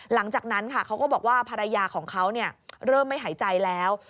หลังจากนั้นค่ะเขาก็บอกว่าภรรยาของเขาเริ่มไม่หายใจแล้ว